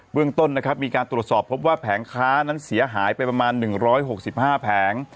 เรื่องต้นนะครับมีการตรวจสอบพบว่าแผงค้านั้นเสียหายไปประมาณ๑๖๕แผง